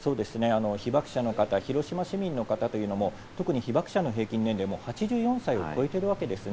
被爆者の方、広島市民の方、被爆者の平均年齢は８４歳を超えているわけです。